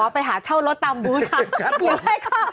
อ๋อไปหาเช่ารถตามบูธครับหยุดให้เข้า